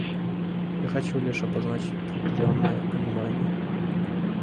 Я хочу лишь обозначить определенное понимание.